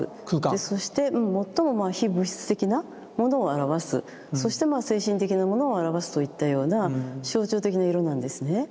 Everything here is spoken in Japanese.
そして最も非物質的なものを表すそしてまあ精神的なものを表すといったような象徴的な色なんですね。